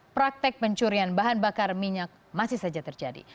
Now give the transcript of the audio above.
praktek pencurian bahan bakar minyak masih saja terjadi